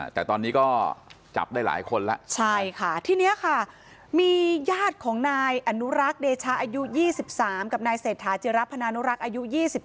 แต่ตอนนี้ก็จับได้หลายคนแล้วใช่ค่ะทีนี้ค่ะมีญาติของนายอนุรักษ์เดชาอายุ๒๓กับนายเศรษฐาจิรพนานุรักษ์อายุ๒๓